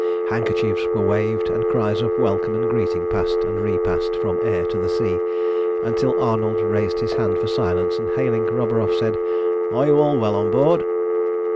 Handkerchiefs were waved, and cries of welcome and greeting passed and re passed from the air to the sea, until Arnold raised his hand for silence, and, hailing Roburoff, said "Are you all well on board?"